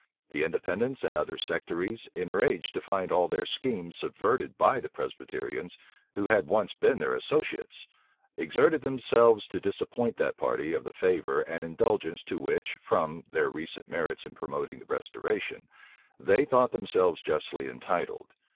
The Independents and other sectaries, enraged to find all their schemes subverted by the Presbyterians, who had once been their associates, exerted themselves to disappoint that party of the favor and indulgence to which, from their recent merits in promoting the restoration, they thought themselves justly entitled.